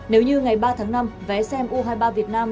nếu như ngày ba tháng năm vé xem u hai mươi ba việt nam